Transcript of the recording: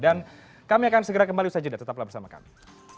dan kami akan segera kembali saja dan tetaplah bersama kami